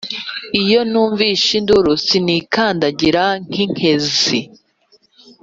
Iyo numvise induru sinikandagira nk’ inkenzi.